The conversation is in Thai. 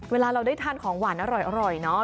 เวลาเราได้ทานของหวานอร่อยเนาะ